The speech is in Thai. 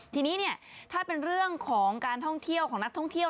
ทีนี้เนี่ยถ้าเป็นเรื่องของการท่องเที่ยวของนักท่องเที่ยว